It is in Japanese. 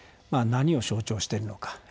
何を象徴してるのか。